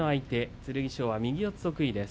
剣翔は右四つ得意です。